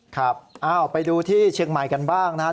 ครับไปดูที่เชียงใหม่กันบ้างนะครับ